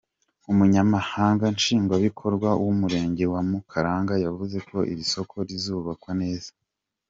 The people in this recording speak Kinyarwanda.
Umunyamabanga Nshingwabikorwa w’Umurenge wa Mukarange yavuze ko iri soko rizubakwa neza.